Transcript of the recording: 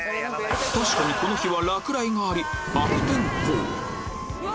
確かにこの日は落雷があり悪天候うわ